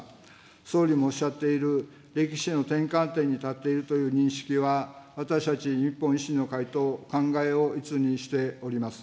総理もおっしゃっている歴史の転換点に立っているという認識は私たち日本維新の会と考えを一にしております。